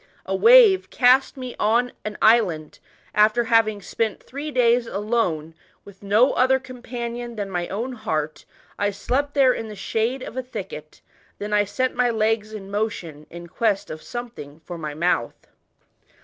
A wave cast me on an island, after having speiiu three days alone with no other com panion than my own heart. I slept there in the shndp of a thicket, then I set my legs in motion in quest of something for my mouth."